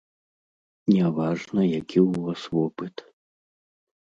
Не важна, які ў вас вопыт.